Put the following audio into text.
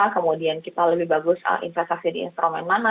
kemudian kita lebih bagus investasi di instrumen mana